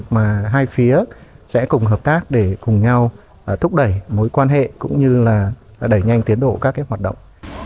mà hai phía sẽ cùng hợp tác để cùng nhau thúc đẩy mối quan hệ cũng như là đẩy nhanh tiến đổ các cái hoạt động